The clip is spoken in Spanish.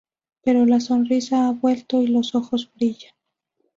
Pero la sonrisa ha vuelto, y los ojos brillan.